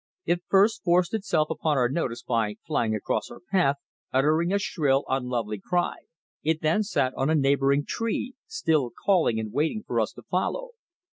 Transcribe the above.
It first forced itself upon our notice by flying across our path, uttering a shrill, unlovely cry. It then sat on a neighbouring tree still calling and waiting for us to follow.